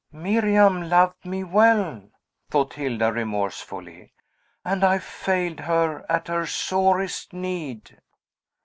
"Miriam loved me well," thought Hilda remorsefully, "and I failed her at her sorest need."